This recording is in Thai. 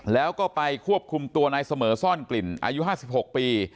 แล้วก็ไปควบคุมตัวนายเสมอซ่อนกลิ่นอายุ๕๖ปี